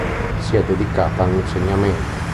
Si è dedicata all'insegnamento.